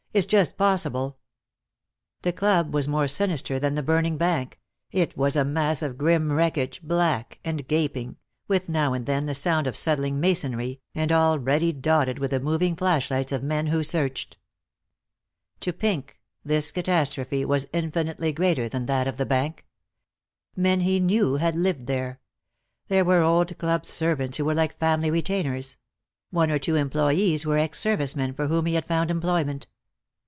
It's just possible " The club was more sinister than the burning bank; it was a mass of grim wreckage, black and gaping, with now and then the sound of settling masonry, and already dotted with the moving flash lights of men who searched. To Pink this catastrophe was infinitely greater than that of the bank. Men he knew had lived there. There were old club servants who were like family retainers; one or two employees were ex service men for whom he had found employment.